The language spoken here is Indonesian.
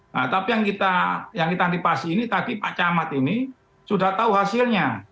nah tapi yang kita antipasi ini tadi pak camat ini sudah tahu hasilnya